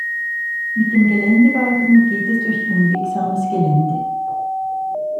Mit dem Geländewagen geht es durch unwegsames Gelände.